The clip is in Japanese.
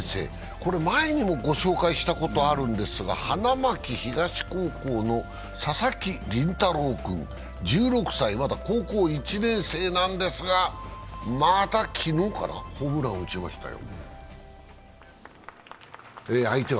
これは前にもご紹介したことあるんですが、花巻東高校の佐々木麟太郎君、１６歳、まだ高校１年生なんですがまた昨日かな、ホームラン打ちましたよ。